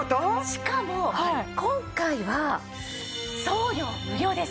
しかも今回は送料無料です！